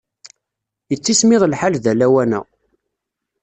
Yettismiḍ lḥal da lawan-a.